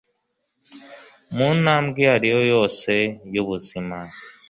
mu ntambwe iyo ariyo yose y'ubuzima.